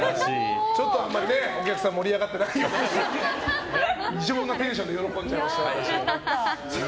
ちょっとあんまりお客さん盛り上がってないですけど異常なテンションで喜んじゃいました。